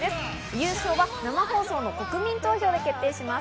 優勝は生放送の国民投票で決定します。